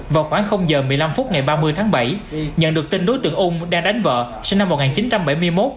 vào khoảng giờ một mươi năm phút ngày ba mươi tháng bảy nhận được tin đối tượng ung đang đánh vợ sinh năm một nghìn chín trăm bảy mươi một